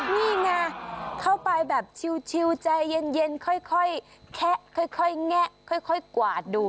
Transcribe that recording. นี่ไงเข้าไปแบบชิวใจเย็นค่อยแคะค่อยแงะค่อยกวาดดู